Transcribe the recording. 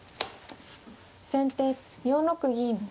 先手４六銀。